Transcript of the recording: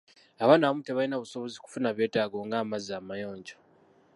Abaana abamu tebalina busobozi kufuna byetaago ng'amazzi amayonjo.